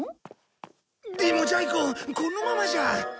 でもジャイ子このままじゃ。